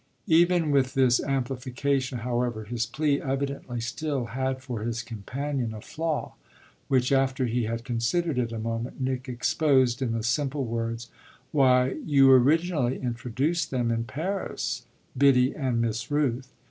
Even with this amplification, however, his plea evidently still had for his companion a flaw; which, after he had considered it a moment, Nick exposed in the simple words: "Why, you originally introduced them in Paris, Biddy and Miss Rooth.